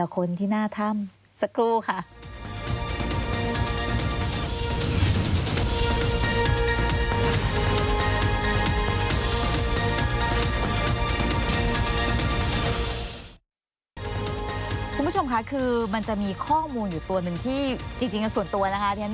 คุณผู้ชมค่ะคือมันจะมีข้อมูลอยู่ตัวหนึ่งที่จริงแล้วส่วนตัวนะคะ